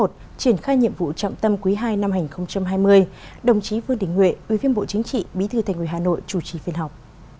triển khai nhiệm vụ trọng tâm quý ii năm hai nghìn hai mươi đồng chí vương đình huệ ủy viên bộ chính trị bí thư thành ủy hà nội chủ trì phiên họp